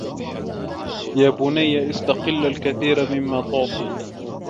يَا بُنَيَّ اسْتَقِلَّ الْكَثِيرَ مِمَّا تُعْطِي